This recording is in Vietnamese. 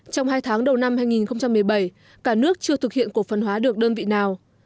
trong hai tháng đầu năm hai nghìn một mươi bảy cả nước chưa thực hiện cổ phân hóa được đơn vị nào